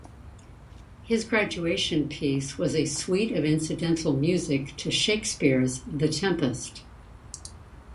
His graduation piece was a suite of incidental music to Shakespeare's "The Tempest".